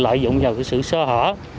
lợi dụng vào sự sơ hở